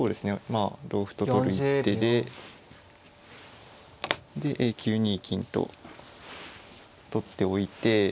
まあ同歩と取る一手でで９二金と取っておいて。